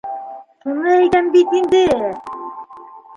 Шуны әйтәм бит инде...